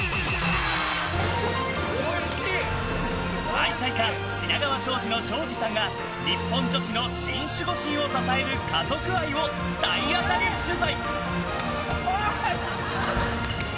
愛妻家・品川庄司の庄司さんが日本女子の新守護神を支える家族愛を体当たり取材。